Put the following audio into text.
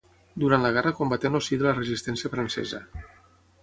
Durant la guerra combaté en el si de la Resistència Francesa.